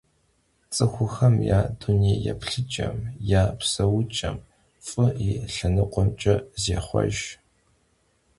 Ts'ıxuxem ya dunêyêplhıç'em, ya pseuç'em f'ı yi lhenıkhueç'e zêxhuejj.